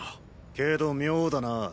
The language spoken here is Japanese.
けど妙だなぁ。